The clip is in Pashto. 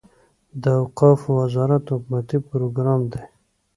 د اوقافو وزارت حکومتي پروګرام دی.